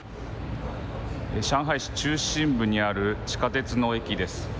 上海市中心部にある地下鉄の駅です。